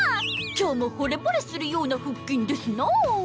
今日も惚れ惚れするような腹筋ですなぁ。